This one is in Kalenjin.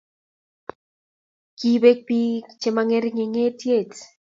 Kibek bik che mingerik eng etiet